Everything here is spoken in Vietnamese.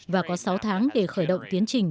và có sáu tháng để khởi động tiến trình